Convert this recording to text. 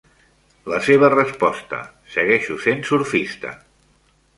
La seva resposta: segueixo sent surfista.